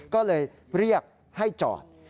ก็เลยเรียกให้จอด